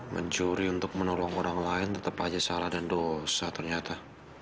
mencuri untuk menolong orang lain tetap aja sarah dan dosa ternyata